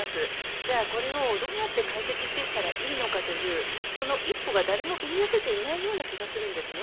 じゃあ、これをどうやって解決していったらいいのかというその一歩を誰も踏み出せていないような気がするんです。